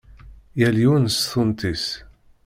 Yal yiwen s tunt-is.